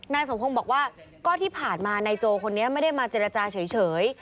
นายสมพงศ์บอกว่าก็ที่ผ่านมานายโจคนนี้ไม่ได้มาเจรจาเฉย